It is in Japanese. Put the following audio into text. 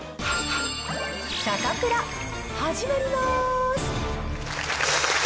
サタプラ、始まります。